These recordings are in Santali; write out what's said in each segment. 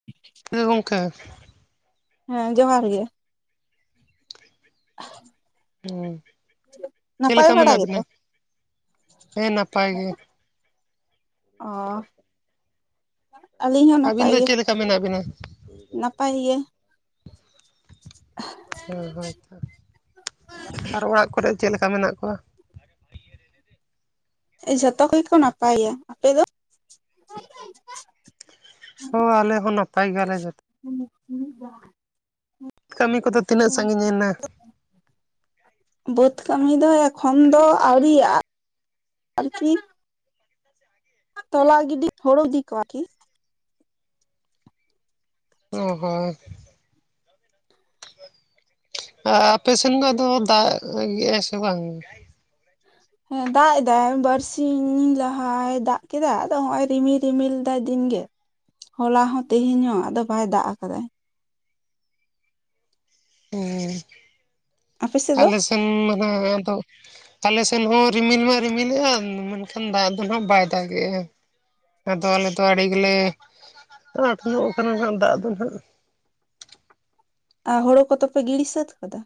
[unintelligible] ᱦᱮᱸᱜᱚᱢᱠᱮ ᱦᱮᱸ ᱡᱚᱦᱟᱨ ᱜᱮ [inaudible] ᱦᱩᱸ ᱪᱮᱫ ᱱᱟᱯᱟᱭ ᱞᱮᱠᱟ ᱵᱟᱲᱟ ᱢᱮᱱᱟᱜ ᱵᱤᱱᱟ ᱜᱮᱛᱚ ᱦᱮᱸ ᱱᱟᱯᱟᱭ ᱜᱮ ᱚ ᱟᱹᱞᱤᱧ ᱦᱚᱸ ᱟᱹᱵᱤᱱ ᱱᱟᱯᱟᱭ ᱫᱚ ᱜᱮ ᱪᱮᱫ ᱞᱮᱠᱟ ᱢᱮᱱᱟᱜ ᱵᱤᱱᱟ? ᱱᱟᱯᱟᱭ ᱜᱮ ᱚ ᱦᱳᱭᱛᱚ ᱟᱨ ᱚᱲᱟᱜ ᱠᱚᱨᱮ ᱪᱮᱫ ᱞᱮᱠᱟ ᱢᱮᱱᱟᱜ ᱠᱚᱣᱟ ᱮ ᱡᱷᱚᱛᱚ ᱜᱮᱠᱚ ᱱᱟᱯᱟᱭᱟ ᱟᱯᱮ ᱫᱚ [unintelligible] ᱦᱚᱸ ᱟᱞᱮ ᱦᱚᱸ ᱱᱟᱯᱟᱭ ᱜᱮᱭᱟᱞᱮ ᱡᱚᱛᱚ [unintelligible] ᱠᱟᱹᱢᱤ ᱠᱚᱫᱚ ᱛᱤᱱᱟᱹᱜ ᱥᱟᱺᱜᱤᱧ ᱮᱱᱟ ᱵᱟᱹᱫᱽ ᱠᱟᱹᱢᱤ ᱫᱚ ᱮᱠᱷᱚᱱ ᱫᱚ ᱟᱣᱨᱤᱭᱟᱜ-ᱟ ᱟᱨᱠᱤ ᱛᱚᱞᱟ ᱜᱤᱰᱤ ᱦᱩᱲᱩ ᱤᱫᱤ ᱠᱚᱣᱟᱠᱤ ᱚ ᱦᱚᱸ ᱟᱯᱮ ᱥᱮᱱ ᱫᱚ ᱫᱟᱜ ᱟᱭ ᱥᱮ ᱵᱟᱝᱜ ᱦᱮᱸ ᱫᱟᱜ ᱮᱫᱟᱭ ᱵᱟᱨᱥᱤᱧ ᱞᱟᱦᱟᱭ ᱫᱟᱜ ᱠᱮᱫᱟ ᱟᱫᱚ ᱦᱚᱜ ᱚᱭ ᱨᱤᱢᱤᱞ ᱨᱤᱢᱤᱞ ᱞᱮᱫᱟᱭ ᱫᱤᱱᱜᱮ ᱦᱚᱞᱟ ᱦᱚᱸ ᱛᱮᱦᱮᱧ ᱦᱚᱸ ᱟᱫᱚ ᱵᱟᱭ ᱫᱟᱜ ᱟᱠᱟᱫᱫᱟ ᱦᱮᱸ ᱟᱯᱮ ᱥᱮᱫ ᱫᱚ ᱟᱞᱮ ᱥᱮᱱ ᱢᱟᱱ ᱡᱟᱸᱜᱟ ᱟᱫᱚ ᱛᱟᱦᱞᱮ ᱥᱮᱱ ᱦᱚᱸ ᱨᱤᱢᱤᱞ ᱢᱟ ᱨᱤᱢᱤᱞᱮᱜᱼᱟ ᱢᱮᱱᱠᱷᱟᱱ ᱫᱟᱜ ᱫᱚ ᱦᱟᱜ ᱵᱟᱭ ᱫᱟᱜᱮᱜᱼᱟ ᱟᱫᱚ ᱟᱞᱮ ᱫᱚ ᱟᱹᱰᱤ ᱜᱮᱞᱮ ᱟᱸᱴ ᱧᱚᱜ ᱠᱟᱱᱟ ᱱᱟᱸᱜ ᱫᱟᱜ ᱫᱚ ᱱᱟᱱᱟᱜ ᱟᱨ ᱦᱳᱲᱳ ᱠᱚᱫᱚᱯᱮ ᱜᱤᱲᱤ ᱥᱟᱹᱛ ᱟᱠᱟᱫᱟ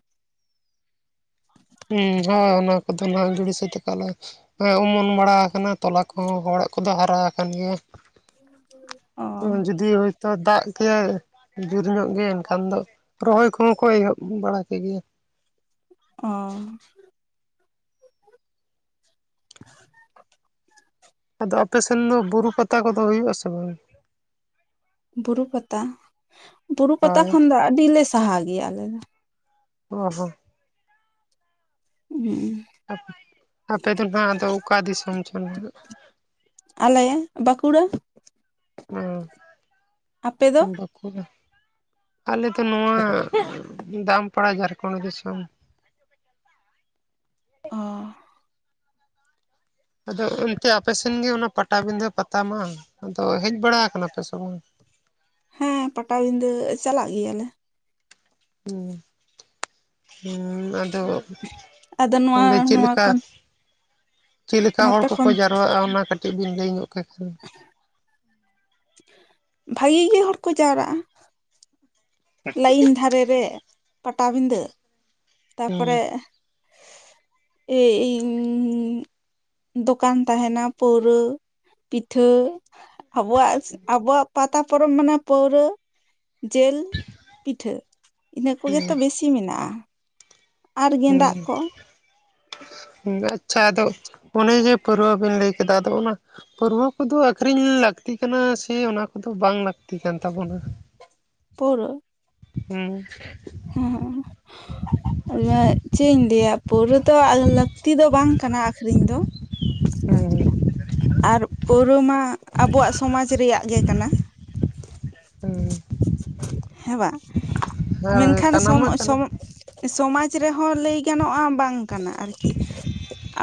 ᱦᱮᱸ ᱦᱚᱭ ᱚᱱᱟ ᱠᱚᱫᱚ ᱱᱟᱦᱟᱜ ᱡᱩᱲᱤ ᱥᱟᱹᱛ ᱟᱠᱟᱜ ᱞᱮ ᱦᱮᱸ ᱚᱢᱚᱱ ᱵᱟᱲᱟ ᱟᱠᱟᱱᱟ ᱛᱚᱞᱟ ᱠᱚᱦᱚᱸ ᱦᱚᱲᱟᱜ ᱠᱚᱫᱚ ᱦᱟᱨᱟ ᱟᱠᱟᱱ ᱜᱮᱭᱟ ᱚ [unintelligible] ᱡᱩᱫᱤᱭ ᱛᱚ ᱫᱟᱜ ᱠᱟᱭ ᱡᱳᱨ ᱧᱚᱜ ᱜᱮ ᱮᱱᱠᱷᱟᱱ ᱫᱚ ᱨᱚᱦᱚᱭ ᱠᱚᱦᱚᱸ ᱠᱚ ᱮᱦᱚᱵ ᱵᱟᱲᱟ ᱠᱮᱫ ᱜᱮᱭᱟ ᱚᱻ [unintelligible] ᱟᱫᱚ ᱟᱯᱮᱥᱱ ᱫᱚ ᱵᱩᱨᱩ ᱯᱟᱛᱟ ᱠᱚᱫᱚ ᱦᱩᱭᱩᱜ ᱟ ᱥᱮ ᱵᱟᱝ ᱵᱩᱨᱩ ᱯᱟᱛᱟ ᱵᱩᱨᱩ ᱯᱟᱛᱟ ᱦᱳᱭ ᱠᱷᱚᱱ ᱫᱚ ᱟᱹᱰᱤᱞᱮ ᱥᱟᱦᱟ ᱜᱮᱭᱟ ᱟᱞᱮ ᱫᱚ ᱚ ᱦᱚ [unintelligible] ᱦᱮᱸ [unintelligible] ᱟᱯᱮ ᱫᱚ ᱦᱟᱸᱜ ᱟᱫᱚ ᱚᱠᱟ ᱫᱤᱥᱚᱢ ᱪᱚᱝ ᱟᱞᱮ ᱵᱟᱸᱠᱩᱲᱟ ᱟᱯᱮ ᱫᱚ ᱟᱞᱮ ᱫᱚ ᱱᱚᱣᱟ ᱫᱟᱢᱯᱟᱲᱟ ᱡᱷᱟᱲᱠᱷᱚᱸᱰ ᱫᱤᱥᱚᱢ ᱚ [unintelligible] ᱟᱫᱚ ᱮᱱᱛᱮ ᱟᱯᱮᱥᱮᱱ ᱜᱮ ᱚᱱᱟ ᱯᱟᱴᱟᱵᱤᱸᱫᱟᱹ ᱯᱟᱛᱟ ᱢᱟ ᱟᱫᱚ ᱦᱮᱡ ᱵᱟᱲᱟ ᱟᱠᱟᱱᱟ ᱯᱮ ᱥᱮ ᱵᱟᱝ ᱦᱮᱸ ᱯᱟᱴᱟᱵᱤᱫᱟᱹ ᱪᱟᱞᱟᱜ ᱜᱮᱭᱟᱞᱮ ᱦᱮᱸ [unintelligible] ᱦᱮᱸ ᱟᱫᱚ ᱟᱫᱚ ᱱᱚᱣᱟ ᱚᱸᱰᱮ ᱪᱮᱫ ᱱᱚᱣᱟ ᱞᱮᱠᱟ ᱠᱷᱚᱱ ᱪᱮᱫ ᱞᱮᱠᱟ ᱦᱚᱲ ᱱᱚᱛᱮ ᱠᱚᱠᱚ ᱠᱷᱚᱱ ᱡᱟᱨᱨᱣᱟᱜᱼᱟ ᱚᱱᱟ ᱠᱟᱹᱴᱤᱡ ᱵᱤᱱ ᱞᱟᱹᱭ ᱧᱚᱜ ᱠᱮ ᱠᱷᱟᱱ ᱵᱷᱟᱜᱮ ᱜᱮ ᱦᱚᱲ ᱠᱚ ᱡᱟᱣᱨᱟᱜᱼᱟ ᱞᱟᱭᱤᱱ ᱫᱷᱟᱨᱮ ᱨᱮ ᱯᱟᱴᱟᱵᱤᱫᱟᱹ ᱛᱟᱨᱯᱚᱨᱮ ᱮ ᱤᱧ ᱫᱚᱠᱟᱱ ᱛᱟᱦᱮᱱᱟ ᱯᱟᱹᱣᱨᱟᱹ ᱯᱤᱴᱷᱟᱹ ᱟᱵᱚᱣᱟᱜ ᱟᱵᱚᱣᱟᱜ ᱯᱟᱛᱟ ᱯᱚᱨᱚᱵᱽ ᱢᱟᱱᱮ ᱯᱟᱹᱣᱨᱟᱹ ᱡᱤᱞ ᱯᱤᱴᱷᱟᱹ ᱤᱱᱟᱹ ᱠᱚᱜᱮᱛᱚ ᱵᱮᱥᱤ ᱢᱮᱱᱟᱜᱼᱟ ᱟᱨ ᱜᱮᱸᱫᱟᱜ ᱦᱮᱸ ᱠᱚ [unintelligible] ᱟᱪᱪᱷᱟ ᱟᱫᱚ ᱚᱱᱮ ᱡᱮ ᱯᱟᱹᱨᱣᱟᱹ ᱵᱮᱱ ᱞᱟᱹᱭ ᱠᱮᱫᱟ ᱟᱫᱚ ᱚᱱᱟ ᱯᱟᱹᱣᱨᱟᱹ ᱠᱚᱫᱚ ᱟᱠᱷᱨᱤᱧ ᱞᱟᱹᱠᱛᱤ ᱠᱟᱱᱟ ᱥᱮ ᱚᱱᱟ ᱠᱚᱫᱚ ᱵᱟᱝ ᱞᱟᱹᱠᱛᱤ ᱠᱟᱱ ᱛᱟᱵᱚᱱᱟ ᱯᱟᱹᱣᱨᱟᱹ ᱦᱩᱸ [inaudible] [unintelligible] ᱪᱮᱫ ᱤᱧ ᱞᱟᱹᱭᱟ ᱯᱳᱣᱨᱟᱹ ᱛᱚ ᱞᱟᱹᱠᱛᱤ ᱫᱚ ᱵᱟᱝ ᱠᱟᱱᱟ ᱟᱠᱷᱨᱤᱧ ᱫᱚ [inaudible] [unintelligible] ᱦᱩᱸ ᱟᱨ ᱯᱟᱹᱣᱨᱟᱹ ᱢᱟ ᱟᱵᱚᱣᱟᱜ ᱥᱚᱢᱟᱡᱽ ᱨᱮᱭᱟᱜ ᱜᱮ ᱠᱟᱱᱟ ᱦᱩᱸ [inaudible] [unintelligible] ᱦᱮᱸ ᱵᱟ ᱦᱳᱭ ᱢᱮᱱᱠᱷᱟᱱ ᱠᱟᱱᱟ ᱥᱚᱢ ᱢᱟ ᱠᱟᱱᱟ ᱥᱚᱢ ᱥᱚᱢᱟᱡ ᱨᱮᱦᱚᱸ ᱞᱟᱹᱭ ᱜᱟᱱᱚᱜᱼᱟ ᱵᱟᱝ ᱠᱟᱱᱟ ᱟᱨᱠᱤ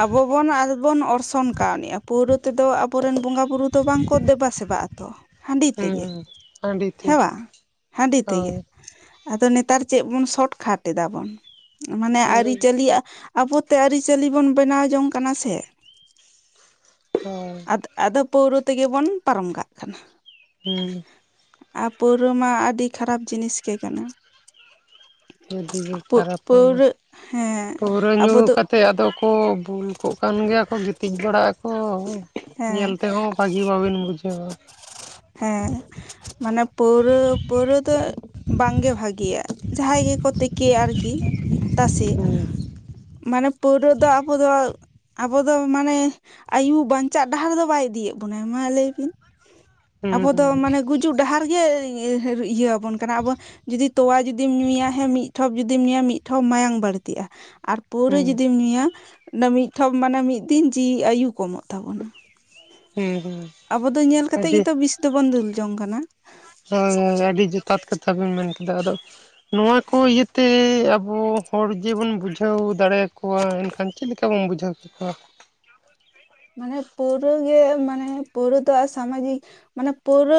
ᱟᱵᱚ ᱵᱚᱱ ᱵᱚᱱ ᱚᱨᱥᱚᱝ ᱠᱟᱣᱱᱤᱜᱟ ᱯᱳᱣᱨᱟᱹ ᱛᱮᱫᱚ ᱟᱵᱚᱨᱮᱱ ᱵᱚᱸᱜᱟ ᱵᱩᱨᱩ ᱫᱚ ᱵᱟᱝᱠᱚ ᱫᱮᱵᱟ ᱥᱮᱵᱟᱜᱼᱟ ᱛᱚ ᱦᱟᱺᱰᱤ ᱦᱩᱸ ᱛᱮᱜᱮ ᱦᱟᱺᱰᱤ ᱛᱮ ᱦᱮᱣᱟ ᱦᱟᱺᱰᱤ ᱛᱮᱜᱮ ᱦᱳᱭ ᱟᱫᱚ ᱱᱮᱛᱟᱨ ᱪᱮᱫ ᱵᱚᱱ ᱥᱚᱴᱠᱟᱴ ᱮᱫᱟᱵᱚᱱ ᱢᱟᱱᱮ ᱟᱹᱨᱤ ᱦᱳᱭ ᱪᱟᱞᱤᱭᱟᱜ ᱟᱵᱚᱛᱮ ᱟᱹᱨᱤᱪᱟᱹᱞᱤ ᱵᱚᱱ ᱵᱮᱱᱟᱣ ᱡᱚᱝ ᱠᱟᱱᱟ ᱥᱮ ᱪᱟᱞ [unintelligible] ᱟᱫ ᱟᱫ ᱯᱟᱹᱣᱨᱟᱹ ᱛᱮᱜᱮ ᱵᱚᱱ ᱯᱟᱨᱚᱢ ᱠᱟᱜ ᱠᱟᱱᱟ ᱦᱩᱸ ᱟᱨ ᱯᱳᱣᱨᱳ ᱢᱟ ᱟᱹᱰᱤ ᱠᱷᱟᱨᱟᱯ ᱡᱤᱱᱤᱥ ᱜᱮ ᱠᱟᱱᱟ ᱟᱹᱰᱤ ᱜᱮ ᱯᱟᱹ ᱠᱷᱟᱨᱟᱯ ᱟᱱᱟ ᱯᱟᱹᱣᱨᱟᱹ ᱦᱮᱸ ᱯᱟᱹᱣᱨᱟᱹ ᱧᱩ ᱟᱵᱚ ᱫᱚ ᱠᱟᱫ ᱛᱮ ᱟᱫᱚ ᱠᱚ ᱵᱩᱞ ᱠᱚᱜ ᱠᱟᱱ ᱜᱮᱭᱟ ᱠᱚ ᱜᱤᱛᱤᱡ ᱵᱟᱲᱟᱜ ᱟᱠᱚ ᱧᱮᱞ ᱛᱮᱦᱚᱸ ᱵᱷᱟᱹᱜᱤ ᱵᱟᱵᱤᱱ ᱵᱩᱡᱷᱟᱹᱣᱟ ᱦᱮᱸᱻ᱾ ᱢᱟᱱᱮ ᱯᱟᱹᱣᱨᱟᱹ ᱯᱟᱹᱣᱨᱟᱹ ᱫᱚ ᱵᱟᱝᱜᱮ ᱵᱷᱟᱜᱤᱭᱟ ᱡᱟᱦᱟᱸᱭ ᱜᱮᱠᱚ ᱠᱮ ᱟᱨᱠᱤ ᱛᱟᱥᱮ ᱦᱩᱸ ᱢᱟᱱᱮ ᱯᱳᱣᱨᱟᱹ ᱫᱚ ᱟᱵᱚ ᱫᱚ ᱟᱵᱚ ᱫᱚ ᱢᱟᱱᱮ ᱟᱭᱩ ᱵᱟᱧᱪᱟᱜ ᱰᱟᱦᱟᱨ ᱫᱚ ᱵᱟᱭ ᱤᱫᱤᱭᱮᱫ ᱵᱚᱱᱟᱭ ᱢᱟ ᱞᱟᱹᱭ ᱵᱤᱱ ᱦᱩᱸ ᱟᱵᱚ ᱫᱚ ᱢᱟᱱᱮ ᱜᱩᱡᱩᱜ ᱰᱟᱦᱟᱨ ᱜᱮ ᱤᱭᱟᱹ ᱵᱚ ᱵᱚᱱ ᱠᱟᱱᱟ ᱟᱵᱚ ᱡᱩᱫᱤ ᱛᱚᱣᱟ ᱡᱩᱫᱤ ᱧᱩᱭᱟ ᱮ ᱢᱤᱫ ᱴᱷᱚᱵ ᱡᱩᱫᱤᱢ ᱧᱩᱭᱟ ᱢᱤᱫ ᱴᱷᱚᱢ ᱢᱟᱭᱟᱢ ᱵᱟᱹᱲᱛᱤᱜᱼᱟ ᱟᱨ ᱯᱟᱹᱣᱨᱟᱹ ᱦᱩᱸ ᱦᱩᱸ ᱡᱩᱫᱤᱢ ᱧᱩᱭᱟ ᱢᱤᱫᱴᱷᱚᱢ ᱢᱟᱱᱮ ᱢᱤᱫ ᱫᱤᱱ ᱡᱤᱣᱤ ᱟᱭᱩ ᱠᱚᱢᱚᱜ ᱛᱟᱵᱚᱱᱟ᱾ ᱦᱩᱸᱻ ᱦᱩᱸᱻ᱾ ᱟᱵᱚ ᱫᱚ ᱧᱮᱞ ᱠᱟᱛᱮᱜ ᱜᱮᱛᱚ ᱵᱤᱥ ᱫᱚᱵᱚᱱ ᱫᱩᱞ ᱡᱚᱝ ᱠᱟᱱᱟ᱾ ᱦᱳᱭ ᱦᱳᱭ ᱟᱹᱰᱤ ᱡᱚᱛᱷᱟᱛ ᱠᱟᱛᱷᱟ ᱵᱮᱱ ᱢᱮᱱ ᱠᱮᱫᱟ ᱟᱫᱚ ᱱᱚᱣᱟ ᱠᱚ ᱤᱭᱟᱹᱛᱮ ᱟᱵᱚ ᱦᱚᱲ ᱡᱮᱵᱚᱱ ᱵᱩᱡᱷᱟᱹᱣ ᱫᱟᱲᱮᱭᱟ ᱠᱚᱣᱟ ᱮᱱᱠᱷᱟᱱ ᱪᱮᱫ ᱞᱮᱠᱟ? ᱪᱤᱠᱟ ᱵᱚᱱ ᱵᱩᱡᱟᱹᱣ ᱠᱮᱠᱚᱣᱟ᱾ ᱢᱟᱱᱮ ᱯᱟᱹᱣᱨᱟᱹ ᱜᱮ ᱢᱟᱱᱮ ᱯᱟᱹᱣᱨᱟᱹ ᱫᱚ ᱥᱟᱢᱟᱡᱤᱠ ᱢᱟᱱᱮ ᱯᱟᱹᱣᱨᱟᱹ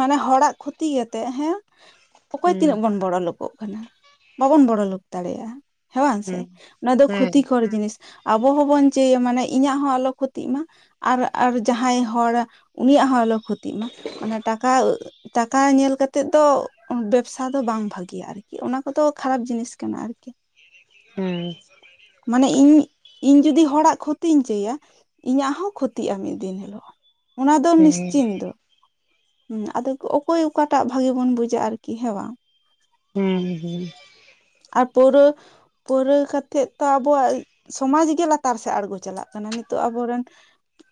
ᱢᱟᱱᱮ ᱦᱚᱲᱟᱜ ᱠᱷᱚᱛᱤ ᱠᱟᱛᱮᱜ ᱦᱮᱸ ᱚᱠᱚᱭ ᱛᱤᱱᱟᱹᱜ ᱦᱩᱸ ᱵᱚᱱ ᱵᱚᱲᱚ ᱞᱚᱠᱚᱜ ᱠᱟᱱᱟ, ᱵᱟᱵᱚᱱ ᱵᱚᱲᱚ ᱞᱳᱠ ᱫᱟᱲᱮᱭᱟᱜᱼᱟ ᱦᱮᱸ ᱵᱟᱝ ᱥᱮ ᱦᱩᱸ ᱚᱱᱟ ᱫᱚ ᱦᱮᱸ ᱠᱷᱚᱛᱤᱠᱚᱨ ᱡᱤᱱᱤᱥ ᱟᱵᱚ ᱦᱚᱸᱵᱚᱱ ᱪᱟᱹᱭᱟ ᱢᱟᱱᱮ ᱤᱧᱟᱹᱜ ᱦᱚᱸ ᱟᱞᱚ ᱠᱷᱚᱛᱤᱜ ᱢᱟ, ᱟᱨ ᱟᱨ ᱡᱟᱦᱟᱸᱭ ᱦᱚᱲ ᱩᱱᱤᱭᱟᱜ ᱦᱚᱸ ᱟᱞᱚ ᱠᱷᱚᱛᱤᱜ ᱢᱟ ᱢᱟᱱᱮ ᱴᱟᱠᱟ ᱴᱟᱠᱟ ᱧᱮᱞ ᱠᱟᱛᱮᱜ ᱫᱚ ᱵᱮᱵᱥᱟ ᱫᱚ ᱵᱟᱝ ᱵᱷᱟᱜᱤᱭᱟ ᱟᱨᱠᱤ, ᱚᱱᱟ ᱠᱚᱫᱚ ᱠᱷᱟᱨᱟᱯ ᱡᱤᱱᱤᱥ ᱠᱟᱱᱟ ᱟᱨᱠᱤ ᱦᱩᱸᱻ᱾ ᱢᱟᱱᱮ ᱤᱧ ᱤᱧ ᱡᱩᱫᱤ ᱦᱚᱲᱟᱜ ᱠᱷᱚᱛᱤᱧ ᱪᱟᱹᱭᱟ ᱤᱧᱟᱹᱜ ᱦᱚᱸ ᱠᱷᱚᱛᱤᱜᱼᱟ ᱢᱤᱫ ᱫᱤᱱ ᱦᱤᱞᱳᱜ᱾ ᱚᱱᱟ ᱫᱚ ᱦᱮᱸ ᱱᱤᱥᱪᱤᱱᱫᱚ ᱦᱩᱸ ᱟᱫᱚ ᱚᱠᱚᱭ ᱚᱠᱟᱴᱟᱜ ᱵᱷᱟᱜᱤ ᱵᱚᱱ ᱵᱩᱡᱟ ᱟᱨᱠᱤ ᱦᱮᱸ ᱵᱟᱝ ᱦᱩᱸᱻ ᱦᱩᱸᱻ᱾ ᱟᱨ ᱯᱟᱹᱣᱨᱟᱹ ᱯᱟᱹᱣᱨᱟᱹ ᱠᱟᱛᱮᱜ ᱛᱚ, ᱟᱵᱚᱣᱟᱜ ᱥᱚᱢᱟᱡᱽ ᱜᱮ ᱞᱟ ᱞᱟᱛᱟᱨ ᱥᱮᱜ ᱟᱬᱜᱚ ᱪᱟᱞᱟᱜ ᱠᱟᱱᱟ᱾ ᱱᱤᱛᱚᱜ ᱟᱵᱚᱨᱮᱱ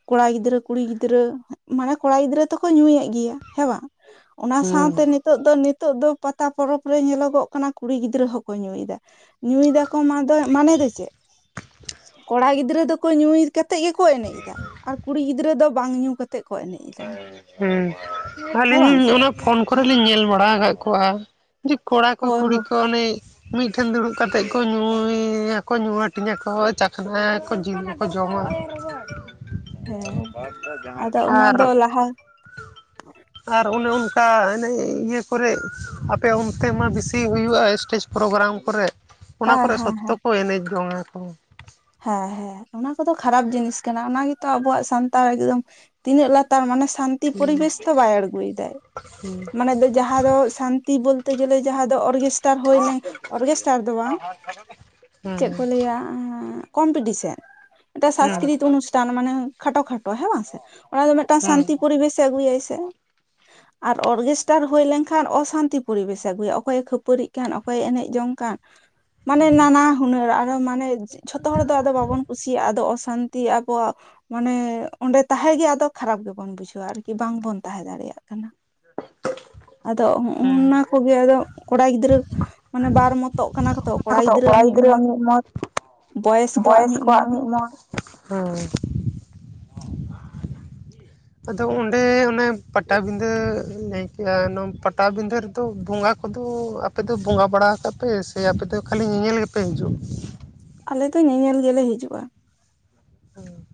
ᱠᱚᱲᱟ ᱜᱤᱫᱽᱨᱟᱹ ᱠᱩᱲᱤ ᱜᱤᱫᱽᱨᱟᱹ ᱢᱟᱱᱮ ᱠᱚᱲᱟ ᱜᱤᱫᱽᱨᱟᱹ ᱫᱚᱠᱚ ᱧᱩᱭᱮᱜ ᱜᱮᱭᱟ ᱦᱮᱸ ᱵᱟᱝ ᱚᱱᱟ ᱦᱮᱸ ᱥᱟᱶᱛᱮ ᱱᱤᱛᱚᱜ ᱫᱚ, ᱱᱤᱛᱚᱜ ᱫᱚ ᱯᱟᱛᱟ ᱯᱚᱨᱚᱵ ᱨᱮ ᱧᱮᱞᱚᱜᱚᱜ ᱠᱟᱱᱟ ᱠᱩᱲᱤ ᱜᱤᱫᱽᱨᱟᱹ ᱜᱤᱫᱽᱨᱟᱹ ᱦᱚᱸᱠᱚ ᱧᱩᱭᱮᱫᱟ ᱧᱩᱭ ᱫᱟᱠᱚ ᱢᱟᱫᱚ ᱢᱟᱱᱮ ᱫᱚ ᱪᱮᱫ ᱠᱚᱲᱟ ᱜᱤᱫᱽᱨᱟᱹ ᱫᱚᱠᱚ ᱧᱩᱭ ᱠᱟᱛᱮᱜ ᱜᱮᱠᱚ ᱮᱱᱮᱡ ᱫᱟ᱾ ᱟᱨ ᱠᱩᱲᱤ ᱜᱤᱫᱽᱨᱟᱹ ᱫᱚ ᱵᱟᱝ ᱧᱩ ᱠᱟᱛᱮ᱾ ᱦᱩᱸ ᱦᱮᱸ ᱟᱹᱞᱤᱧ ᱵᱟᱝ ᱥᱮ ᱚᱱᱟ ᱯᱷᱳᱱ ᱠᱚᱨᱮ ᱞᱤᱧ ᱧᱮᱞ ᱵᱟᱲᱟ ᱠᱟᱜ ᱠᱚᱣᱟ᱾ ᱠᱚᱲᱟ ᱠᱚ ᱦᱳᱭ ᱠᱩᱲᱤ ᱦᱳᱭ ᱠᱚ ᱚᱱᱮ ᱢᱤᱫᱴᱷᱮᱱ ᱫᱩᱲᱩᱵ ᱠᱟᱛᱮᱜ ᱠᱚ ᱧᱩᱭ ᱭᱟᱠᱚ, ᱧᱩ ᱦᱟᱴᱤᱧᱟᱠᱚ ᱪᱟᱠᱷᱱᱟ ᱭᱟᱠᱚ ᱡᱤᱞ ᱡᱚᱢᱟ ᱦᱮᱸ ᱟᱫᱚ ᱚᱱᱟ ᱟᱨ ᱫᱚ [unintelligible] ᱟᱨ ᱚᱱᱮ ᱚᱱᱠᱟ ᱚᱱᱮ ᱤᱭᱟᱹ ᱠᱚᱨᱮ ᱟᱯᱮ ᱚᱱᱛᱮ ᱢᱟ ᱵᱮᱥᱤ ᱦᱩᱭᱩᱜᱼᱟ? ᱥᱴᱮᱡ ᱯᱨᱳᱜᱨᱟᱢ ᱠᱚᱨᱮ ᱚᱱᱟ ᱦᱮᱸ ᱠᱚᱨᱮ ᱦᱮᱸ ᱥᱚᱠᱛᱚ ᱠᱚ ᱮᱱᱮᱡ ᱡᱚᱝᱼᱟ ᱠᱚ᱾ ᱦᱮᱸᱻ ᱦᱮᱸᱻ᱾ ᱚᱱᱟ ᱠᱚᱫᱚ ᱠᱷᱟᱨᱟᱯ ᱡᱤᱱᱤᱥ ᱠᱟᱱᱟ, ᱚᱱᱟ ᱜᱮᱛᱚ ᱟᱵᱚᱣᱟᱜ ᱥᱟᱱᱛᱟᱲ ᱮᱠᱫᱚᱢ ᱛᱤᱱᱟᱹᱜ ᱞᱟᱛᱟᱨ ᱢᱟᱱᱮ ᱥᱟᱱᱛᱤ ᱦᱮᱸ ᱯᱚᱨᱤᱵᱮᱥ ᱛᱚ ᱵᱟᱭ ᱟᱬᱜᱚᱭ ᱫᱟᱭ᱾ ᱢᱟᱱᱮ ᱫᱚ ᱡᱟᱦᱟᱸ ᱫᱚ ᱥᱟᱱᱛᱤ ᱵᱚᱞᱛᱮ ᱜᱮᱞᱮ ᱡᱟᱦᱟᱸ ᱫᱚ ᱚᱨᱜᱮᱥᱴᱟᱨ ᱦᱩᱭᱞᱮ ᱚᱨᱜᱮᱥᱴᱟᱨ ᱫᱚ ᱵᱟᱝ ᱪᱮᱫ ᱦᱮᱸ ᱠᱚ ᱞᱟᱹᱭᱟ ᱠᱚᱢᱯᱤᱴᱤᱥᱮᱱ᱾ ᱢᱤᱜᱴᱮᱱ ᱥᱟᱥᱠᱨᱤᱛᱤ ᱚᱱᱩᱥᱴᱷ ᱢᱟᱱᱮ ᱠᱷᱟᱴᱚ ᱠᱷᱟᱴᱚ ᱦᱮᱸ ᱵᱟᱝ ᱥᱮ? ᱚᱱᱟ ᱫᱚ ᱢᱤᱫᱴᱟᱝ ᱦᱮᱸ ᱥᱟᱱᱛᱤ ᱯᱚᱨᱤᱵᱮᱥ ᱟᱹᱜᱩᱭᱟᱭ ᱥᱮ᱾ ᱟᱨ ᱚᱨᱜᱮᱥᱴᱟᱨ ᱦᱩᱭ ᱞᱮᱱᱠᱷᱟᱱ ᱚᱥᱟᱱᱛᱤ ᱯᱚᱨᱤᱵᱮᱥᱮ ᱟᱜᱩᱭᱟ᱾ ᱚᱠᱚᱭᱮ ᱠᱷᱟᱹᱯᱟᱹᱨᱤᱜ ᱠᱟᱱ ᱚᱠᱚᱭᱮ ᱮᱱᱮᱡ ᱡᱚᱝ ᱠᱟᱱ᱾ ᱢᱟᱱᱮ ᱱᱟᱱᱟ ᱦᱩᱱᱟᱹᱨ ᱟᱨᱚ ᱢᱟᱱᱮ ᱡᱷᱚᱛᱚ ᱦᱚᱲ ᱫᱚ ᱟᱫᱚ ᱵᱟᱵᱚᱱ ᱠᱩᱥᱤᱭᱟᱜᱼᱟ, ᱟᱫᱚ ᱚᱥᱟᱱᱛᱤ ᱟᱵᱚᱣᱟᱜ ᱢᱟᱱᱮ ᱚᱸᱰᱮ ᱛᱟᱦᱮᱸᱜᱮ ᱟᱫᱚ ᱠᱷᱟᱨᱟᱯ ᱜᱮᱵᱚᱱ ᱵᱩᱡᱷᱟᱹᱣᱟ ᱟᱨᱠᱤ, ᱵᱟᱝᱵᱚᱱ ᱛᱟᱦᱮᱸ ᱫᱟᱲᱮᱭᱟᱜ ᱠᱟᱱᱟ᱾ ᱟᱫᱚ ᱦᱚᱸᱜᱼ ᱱᱟ ᱠᱚᱜᱮ ᱟᱫᱚ ᱠᱚᱲᱟ ᱜᱤᱫᱽᱨᱟᱹ ᱢᱟᱱᱮ ᱵᱟᱨ ᱢᱚᱛᱚᱜ ᱠᱟᱱᱟ ᱠᱚᱛᱚ ᱠᱚᱲᱟ ᱜᱤᱫᱽᱨᱟᱹ ᱜᱤᱫᱽᱨᱟᱹ ᱟᱜ ᱢᱤᱫ ᱢᱚᱛ ᱵᱚᱭᱮᱥ ᱠᱚᱣᱟᱜ ᱢᱤᱫ ᱢᱚᱛ᱾ᱦᱩᱸ ᱟᱫᱚ ᱚᱸᱰᱮ ᱚᱱᱮ ᱯᱟᱴᱟᱵᱤᱫᱟᱹ ᱞᱟᱹᱭ ᱠᱮᱜᱼᱟ, ᱚᱱᱟ ᱯᱟᱴᱟᱵᱤᱫᱟᱹ ᱨᱮᱫᱚ ᱵᱚᱸᱜᱟ ᱠᱚ ᱠᱚᱫᱚ ᱟᱯᱮ ᱫᱚ ᱵᱚᱸᱜᱟ ᱵᱟᱲᱟ ᱠᱟᱜ ᱯᱮ ᱥᱮ ᱟᱯᱮ ᱫᱚ ᱠᱷᱟᱹᱞᱤ ᱧᱮᱧᱮᱞ ᱜᱮᱯᱮ ᱦᱤᱡᱩᱜ? ᱟᱞᱮ ᱫᱚ ᱧᱮᱧᱮᱞ ᱜᱮᱞᱮ ᱦᱤᱡᱩᱜᱼᱟ᱾ ᱦᱩᱸᱻ᱾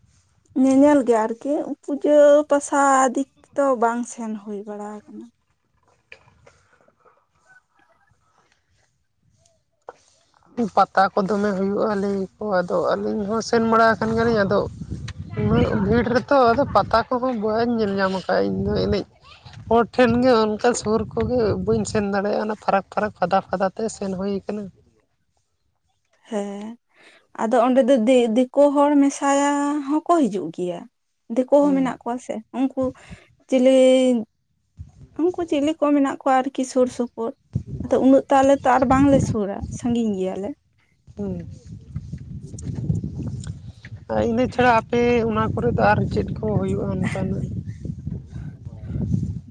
ᱧᱮᱧᱮᱞ ᱜᱮ ᱟᱨᱠᱤ, ᱯᱩᱡᱟᱹ ᱯᱟᱥᱟ ᱫᱤᱠ ᱛᱮᱫᱚ ᱵᱟᱝ ᱥᱮᱱ ᱦᱩᱭ ᱵᱟᱲᱟ ᱠᱟᱱᱟ᱾ ᱯᱟᱛᱟ ᱠᱚ ᱫᱚᱢᱮ ᱦᱩᱭᱩᱜᱼᱟ᱾ ᱞᱟᱹᱭ ᱟᱠᱚ ᱟᱫᱚ ᱟᱹᱞᱤᱧ ᱦᱚᱸ ᱥᱮᱱ ᱵᱟᱲᱟ ᱠᱟᱱ ᱜᱮᱭᱟᱞᱤᱧ ᱟᱫᱚ ᱩᱱᱟᱹᱜ ᱵᱷᱤᱲ ᱨᱮᱛᱚ ᱟᱫᱚ ᱯᱟᱛᱟ ᱠᱚᱦᱚᱸ ᱵᱟᱹᱧ ᱧᱮᱞ ᱧᱟᱢ ᱠᱟᱜᱼᱟ ᱤᱧᱫᱚ ᱮᱱᱮᱡ ᱦᱚᱲ ᱴᱷᱮᱱ ᱜᱮ ᱚᱱᱠᱟ ᱥᱩᱨ ᱠᱚᱜᱮ ᱵᱟᱹᱧ ᱥᱮᱱ ᱫᱟᱲᱮᱭᱟᱜᱼᱟ ᱚᱱᱟ ᱯᱷᱟᱨᱟᱠ ᱯᱷᱟᱨᱟᱠ ᱯᱷᱟᱫᱟ ᱯᱷᱟᱫᱟ ᱛᱮ ᱥᱮᱱ ᱦᱩᱭ ᱟᱠᱟᱱᱟ ᱦᱮᱸ ᱟᱫᱚ ᱚᱸᱰᱮ ᱫᱚ ᱫᱤ ᱫᱤᱠᱩ ᱦᱚᱲ ᱢᱮᱥᱟᱭᱟ ᱦᱚᱸᱠᱚ ᱦᱤᱡᱩᱜ ᱜᱮᱭᱟ ᱫᱤᱠᱩ ᱦᱚᱸ ᱦᱩᱸ ᱢᱮᱱᱟᱜ ᱠᱚᱣᱟ ᱥᱮ ᱩᱱᱠᱩ ᱪᱤᱞᱤ ᱩᱱᱠᱩ ᱪᱤᱞᱤ ᱠᱚ ᱢᱮᱱᱟᱜ ᱟᱨᱠᱤ ᱥᱩᱨ ᱥᱩᱯᱩᱨ ᱟᱫᱚ ᱩᱱᱟᱹᱜ ᱛᱚ ᱟᱞᱮᱚ ᱟᱨ ᱵᱟᱝᱞᱮ ᱥᱩᱨᱟ ᱥᱟᱺᱜᱤᱧ ᱜᱮᱭᱟᱞᱮ ᱦᱳᱭ ᱤᱱᱟᱹ ᱪᱷᱟᱲᱟ ᱟᱯᱮ ᱚᱱᱟ ᱠᱚᱨ ᱫᱚ ᱟᱨ ᱪᱮᱫ ᱠᱚ ᱦᱩᱭᱩᱜᱼᱟ ᱚᱱᱠᱟᱱᱟᱜ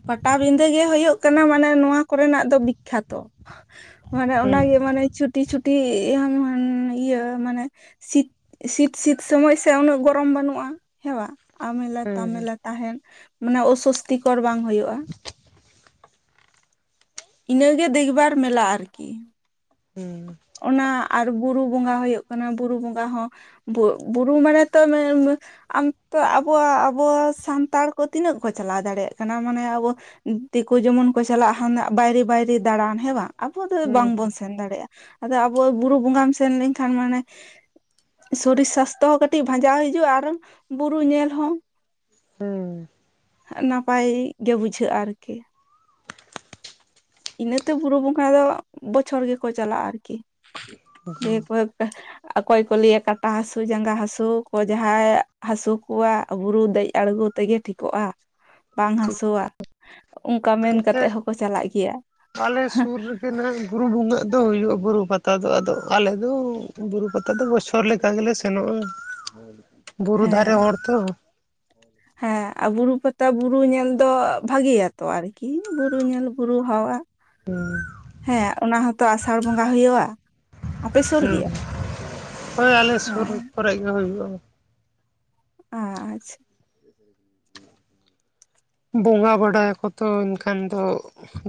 ᱯᱟᱴᱟᱵᱤᱫᱟᱹ ᱜᱮ ᱦᱩᱭᱩᱜᱜ ᱠᱟᱱᱟ ᱢᱟᱱᱮ ᱱᱚᱣᱟ ᱠᱚᱨᱮᱱᱟᱜ ᱫᱚ ᱵᱤᱠᱠᱷᱟᱛᱚ ᱢᱟᱱᱮ ᱦᱩᱸ ᱚᱱᱟᱜᱮ ᱢᱟᱱᱮ ᱪᱷᱩᱴᱤ ᱪᱷᱩᱴᱤ ᱤᱭᱟᱹ [unintelligible] ᱢᱟᱱᱮ ᱥᱤᱛ ᱥᱤᱛᱼ ᱥᱤᱛ ᱥᱚᱢᱚᱭ ᱥᱮ ᱩᱱᱟᱹᱜ ᱜᱚᱨᱚᱢ ᱵᱟᱹᱱᱩᱜᱼᱟ ᱦᱮᱸᱣᱟ ᱟᱢᱮᱞᱟ ᱦᱮᱸ ᱦᱮᱸ ᱛᱟᱢᱮᱞᱟ ᱛᱟᱦᱮᱱ ᱢᱟᱱᱮ ᱚᱥᱚᱥᱛᱤᱠᱚᱨ ᱵᱟᱝ ᱦᱩᱭᱩᱜᱼᱟ ᱤᱱᱟᱹᱜᱮ ᱫᱤᱜᱵᱟᱨ ᱢᱮᱞᱟ ᱟᱨᱠᱤ ᱦᱩᱸ ᱚᱱᱟ ᱟᱨ ᱵᱩᱨᱩ ᱵᱚᱸᱜᱟ ᱦᱩᱭᱩᱜ ᱠᱟᱱᱟ ᱵᱩᱨᱩ ᱵᱚᱸᱜᱟ ᱦᱚᱸ ᱵᱩ ᱵᱩᱨᱩ ᱢᱟᱱᱮ ᱛᱚ [unintelligible] ᱟᱢ ᱛᱚ ᱟᱵᱚᱣᱟᱜ ᱟᱵᱚ ᱥᱟᱱᱛᱟᱲ ᱠᱚ ᱛᱤᱱᱟᱹᱜ ᱠᱚ ᱪᱟᱞᱟᱣ ᱫᱟᱲᱮᱭᱟᱜ ᱠᱟᱱᱟ ᱢᱟᱱᱮ ᱟᱵᱚ ᱫᱤᱠᱩ ᱡᱮᱢᱚᱱ ᱠᱚ ᱪᱟᱞᱟᱜᱼᱟ ᱦᱟᱱᱟᱜ ᱵᱟᱭᱨᱮ ᱵᱟᱭᱨᱮ ᱫᱟᱬᱟᱱ ᱦᱮᱸ ᱵᱟᱝ ᱟᱵᱚ ᱫᱚ ᱦᱩᱸ ᱵᱟᱝᱵᱚᱱ ᱥᱮᱱ ᱫᱟᱲᱮᱭᱟᱜᱼᱟ ᱟᱫᱚ ᱟᱵᱚ ᱵᱩᱨᱩ ᱵᱚᱸᱜᱟᱢ ᱥᱮᱱ ᱞᱮᱱᱠᱷᱟᱱ ᱢᱟᱱᱮ ᱥᱚᱨᱤᱨ ᱥᱟᱥᱛᱷᱚ ᱦᱚᱸ ᱠᱟᱹᱴᱤᱡ ᱵᱷᱟᱸᱡᱟᱣ ᱦᱤᱡᱩᱜᱼᱟ ᱟᱨ ᱵᱩᱨᱩ ᱧᱮᱞ ᱦᱚᱸ ᱦᱩᱸ ᱱᱟᱯᱟᱭ ᱜᱮ ᱵᱩᱡᱷᱟᱹᱜᱼᱟ ᱟᱨᱠᱤ ᱤᱱᱟᱹᱛᱮ ᱵᱩᱨᱩ ᱵᱚᱸᱜᱟ ᱫᱚ ᱵᱚᱪᱷᱚᱨ ᱜᱮᱠᱚ ᱪᱟᱞᱟᱜᱼᱟ ᱟᱨᱠᱤ ᱫᱤᱭᱮ ᱠᱚ ᱟ [unintelligible] ᱚᱠᱚᱭ ᱠᱚ ᱞᱟᱹᱭᱟ ᱠᱟᱴᱟ ᱦᱟᱹᱥᱩ ᱡᱟᱸᱜᱟ ᱦᱟᱹᱥᱩ ᱠᱚ ᱡᱟᱦᱟᱸᱭ ᱦᱟᱹᱥᱩ ᱠᱚᱣᱟ ᱵᱩᱨᱩ ᱫᱮᱡ ᱟᱲᱜᱩ ᱛᱮᱜᱮ ᱴᱷᱤᱠᱚᱜᱼᱟ ᱵᱟᱝ ᱴᱷᱤᱠ ᱦᱟᱹᱥᱩᱣᱟ ᱚᱱᱠᱟ ᱢᱮᱱ ᱠᱟᱛᱮᱫ ᱱᱤᱛᱚᱜ ᱦᱚᱸᱠᱚ ᱪᱟᱞᱟᱜ ᱜᱮᱭᱟ ᱟᱞᱮ ᱥᱩᱨ ᱨᱮ ᱮᱱᱟᱜ ᱵᱩᱨᱩ ᱵᱚᱸᱜᱟᱜ ᱫᱚ ᱦᱩᱭᱩᱜᱼᱟ ᱵᱩᱨᱩ ᱯᱟᱛᱟ ᱫᱚ ᱟᱫᱚ ᱟᱞᱮ ᱫᱚ ᱵᱩᱨᱩ ᱯᱟᱛᱟ ᱱᱮᱛᱟᱨ ᱫᱚ ᱵᱚᱪᱷᱚᱨ ᱞᱮᱠᱟ ᱜᱮᱞᱮ ᱥᱮᱱᱚᱜᱼᱟ ᱵᱩᱨᱩ ᱫᱷᱟᱨᱮ ᱦᱮᱸ ᱦᱚᱲ ᱛᱚ ᱦᱮᱸ ᱟᱨ ᱵᱩᱨᱩ ᱯᱟᱛᱟ ᱵᱩᱨᱩ ᱧᱮᱞ ᱫᱚ ᱵᱷᱟᱜᱤᱭᱟᱛᱚ ᱟᱨᱠᱤ ᱵᱩᱨᱩ ᱧᱮᱞ ᱵᱩᱨᱩ ᱦᱟᱣᱟ ᱦᱮᱸ ᱚᱱᱟ ᱦᱚᱸᱛᱚ ᱟᱥᱟᱲ ᱵᱚᱸᱜᱟ ᱦᱩᱭᱩᱜᱼᱟ ᱟᱯᱮ ᱥᱩᱨ ᱦᱩᱸ ᱜᱮᱭᱟ ᱦᱳᱭ ᱟᱞᱮ ᱥᱩᱨ ᱦᱮᱸ ᱠᱚᱨᱮ ᱜᱮ ᱦᱩᱭᱩᱜᱼᱟ ᱟ ᱟᱪᱪᱷᱟ ᱵᱚᱸᱜᱟ ᱵᱟᱰᱟᱭᱟᱠᱚ ᱛᱚ ᱮᱱᱠᱷᱟᱱ ᱫᱚ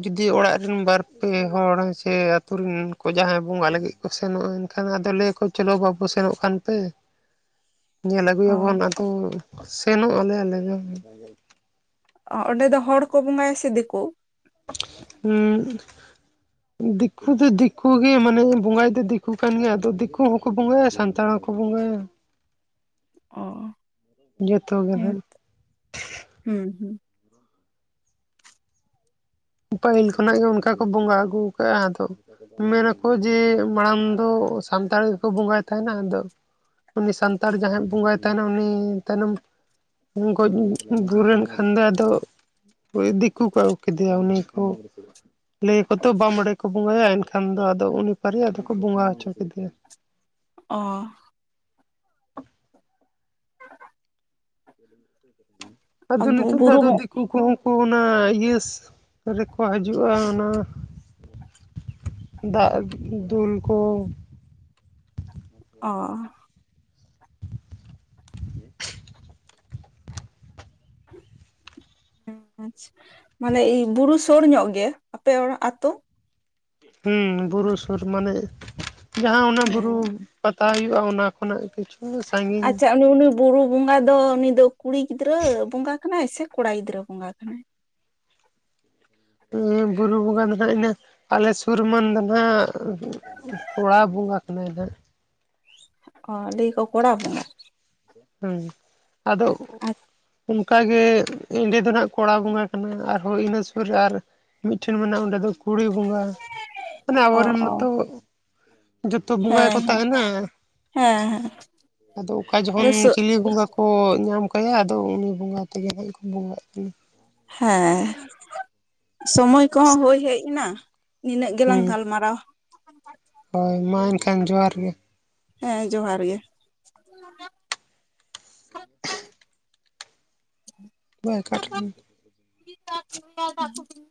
ᱡᱩᱫᱤ ᱚᱲᱟᱜ ᱨᱮᱱ ᱵᱟᱨᱯᱮ ᱦᱚᱲ ᱥᱮ ᱟᱛᱳ ᱨᱮᱱ ᱠᱚ ᱡᱟᱦᱟᱸᱭ ᱵᱚᱸᱜᱟ ᱞᱟᱹᱜᱤᱫ ᱥᱮᱱᱚᱜᱼᱟ ᱮᱱᱠᱷᱟᱱ ᱟᱫᱚ ᱞᱟᱹᱭᱟᱠᱚ ᱪᱚᱞᱚ ᱵᱟᱹᱵᱩ ᱥᱮᱱᱚᱜ ᱠᱟᱱ ᱯᱮ [inaudible] ᱧᱮᱞ ᱚ ᱟᱹᱜᱩᱭᱟᱵᱚᱱ ᱟᱫᱚ ᱥᱮᱱᱚᱜ ᱟᱞᱮ ᱟᱞᱮ ᱫᱚ ᱚᱜ ᱚᱸᱰᱮ ᱫᱚ ᱦᱚᱲ ᱠᱚ ᱵᱚᱸᱜᱟᱭᱟ ᱥᱮ ᱫᱤᱠᱩ ᱦᱩᱸ [inaudible] ᱫᱤᱠᱩ ᱫᱚ ᱫᱤᱠᱩ ᱜᱮ ᱢᱟᱱᱮ ᱵᱚᱸᱜᱟᱭᱤᱫ ᱫᱚ ᱫᱤᱠᱩ ᱠᱟᱱ ᱜᱮᱭᱟ ᱟᱫᱚ ᱫᱤᱠᱩ ᱦᱚᱸᱠᱚ ᱵᱚᱸᱜᱟᱭᱟ ᱥᱟᱱᱛᱟᱲ ᱦᱚᱠᱚ ᱠᱚ ᱵᱚᱝᱜᱟᱭᱟ [inaudible] ᱡᱚᱛᱚ ᱜᱮ ᱦᱮᱸ ᱱᱟᱦᱟᱜ ᱦᱩᱸ ᱦᱩᱸ ᱯᱟᱹᱦᱤᱞ ᱠᱷᱚᱱᱟᱜ ᱜᱮ ᱚᱱᱠᱟ ᱠᱚ ᱵᱚᱸᱜᱟ ᱟᱹᱜᱩ ᱟᱠᱟᱜᱼᱟ ᱟᱫᱚ ᱢᱮᱱᱟᱠᱚ ᱡᱮ ᱢᱟᱲᱟᱝ ᱫᱚ ᱥᱟᱱᱛᱟᱲ ᱜᱮᱠᱚ ᱵᱚᱸᱜᱟᱭ ᱛᱟᱦᱮᱱᱟ, ᱟᱫᱚ ᱩᱱᱤ ᱥᱟᱱᱛᱟᱲ ᱡᱟᱦᱟᱸᱭ ᱵᱚᱸᱜᱟᱭ ᱛᱟᱦᱮᱱᱟ ᱩᱱᱤ ᱛᱟᱭᱱᱚᱢ ᱜᱚᱡ ᱜᱩᱨᱮᱱ ᱠᱷᱟᱱ ᱫᱚ ᱟᱫᱚ ᱫᱤᱠᱩ ᱠᱚ ᱟᱹᱜᱩ ᱠᱮᱫᱮᱭᱟ ᱩᱱᱤ᱾ ᱚ ᱞᱟᱹ ᱟᱠᱚ ᱛᱚ ᱵᱟᱢᱰᱮ ᱠᱚ ᱵᱚᱸᱜᱟᱭᱟ ᱮᱱᱠᱷᱟᱱ ᱫᱚ ᱟᱫᱚ ᱩᱱᱤ ᱯᱟᱨᱮ ᱟᱫᱚ ᱠᱚ ᱵᱚᱸᱜᱟ ᱦᱚᱪᱚ ᱠᱮᱫᱮᱭᱟ᱾ ᱚ [inaudible] ᱚ ᱟᱫᱚ ᱱᱤᱛᱚᱜ ᱫᱚ ᱵᱩᱨᱩ ᱟᱫᱚ ᱫᱤᱠᱩ ᱠᱚ ᱠᱩ ᱚᱱᱟ ᱤᱭᱟᱹᱥ ᱨᱮᱠᱚ ᱦᱤᱡᱩᱜᱼᱟ ᱚᱱᱟ᱾ ᱫᱟᱜ ᱫᱩᱞ ᱠᱚ ᱚ [inaudible] [inaudible] ᱟᱪᱪᱷᱟ ᱢᱟᱱᱮ ᱵᱩᱨᱩ ᱥᱳᱩᱨ ᱧᱚᱜ ᱜᱮᱭᱟ, ᱟᱯᱮ ᱚᱲᱟᱜ ᱟᱛᱳ? ᱦᱮᱸ ᱵᱩᱨᱩ ᱥᱩᱨ ᱢᱟᱱᱮ ᱡᱟᱦᱟᱸ ᱚᱱᱟ ᱵᱩᱨᱩ ᱦᱮᱸ ᱯᱟᱛᱟ ᱦᱩᱭᱩᱜᱼᱟ ᱚᱱᱟ ᱠᱷᱚᱱᱟᱜ ᱠᱤᱪᱷᱩ ᱥᱟᱺᱜᱤᱧ ᱟᱪᱪᱷᱟ ᱩᱱᱤ ᱩᱱᱤ ᱵᱩᱨᱩ ᱵᱚᱸᱜᱟ ᱫᱚ ᱩᱱᱤ ᱫᱚ ᱠᱩᱲᱤ ᱜᱤᱫᱽᱨᱟᱹ ᱵᱚᱸᱜᱟ ᱠᱟᱱᱟᱭ ᱥᱮ ᱠᱚᱲᱟ ᱜᱤᱫᱽᱨᱟᱹ ᱵᱚᱸᱜᱟ ᱠᱟᱱᱟᱭ᱾ ᱦᱮᱸ ᱵᱩᱨᱩ ᱵᱚᱸᱜᱟ ᱫᱚ ᱱᱟᱜ ᱤᱱᱟᱹ ᱟᱞᱮ ᱥᱩᱨᱢᱟᱱ ᱫᱚ ᱱᱟᱸᱜ ᱠᱚᱲᱟ ᱵᱚᱸᱜᱟ ᱠᱟᱱᱟᱭ ᱦᱟᱸᱜ᱾ ᱚ ᱞᱟᱹᱭᱟ ᱠᱚ ᱠᱚᱲᱟ ᱵᱚᱸᱜᱟ? ᱦᱮᱸ ᱟᱫᱚ ᱩᱱ ᱠᱟᱜᱮ ᱮᱸᱰᱮ ᱫᱚ ᱱᱟᱜ ᱠᱚᱲᱟ ᱵᱚᱸᱜᱟ ᱠᱟᱱᱟ ᱟᱨᱦᱚᱸ ᱤᱱᱟᱹ ᱥᱩᱨ ᱨᱮ ᱟᱨ ᱢᱤᱫᱴᱷᱮᱱ ᱢᱮᱱᱟᱜᱼᱟ ᱚᱸᱰᱮ ᱫᱚ ᱠᱩᱲᱤ ᱵᱚᱸᱜᱟ, ᱢᱟᱱᱮ ᱚ ᱟᱵᱚᱨᱮᱱ ᱢᱟᱛᱚ ᱚ ᱡᱚᱛᱚ ᱵᱚᱸᱜᱟ ᱜᱮᱠᱚ ᱦᱮᱸ ᱦᱮᱸ ᱛᱟᱦᱮᱱᱟ, ᱦᱮᱸ ᱦᱮᱸ ᱟᱫᱚ ᱚᱠᱟ ᱟᱫᱚ ᱡᱚᱠᱷᱚᱱ ᱪᱤᱞᱤ ᱵᱚᱸᱜᱟ ᱠᱚ ᱧᱟᱢ ᱠᱟᱭᱟ ᱟᱫᱚ ᱩᱱᱤ ᱵᱚᱸᱜᱟ ᱛᱮᱜᱮ ᱱᱟᱜ ᱠᱚ ᱵᱚᱸᱜᱟᱭᱮᱫ ᱛᱟᱦᱮᱱᱟ᱾ ᱦᱮᱸ ᱥᱚᱢᱚᱭ ᱠᱚᱦᱚᱸ ᱦᱩᱭ ᱦᱮᱡ ᱱᱟ᱾ ᱱᱤᱱᱟᱹᱜ ᱦᱮᱸ ᱜᱮᱞᱟᱝ ᱜᱟᱞᱢᱟᱨᱟᱣᱟ᱾ ᱦᱳᱭ ᱢᱟ ᱮᱱᱠᱷᱟᱱ ᱡᱚᱦᱟᱨ ᱜᱮ᱾ ᱦᱮᱸ ᱡᱚᱦᱟᱨ ᱜᱮ᱾ [inaudible] [inaudible] ᱵᱟᱭ ᱠᱟᱴ ᱢᱮ᱾ [unintelligible]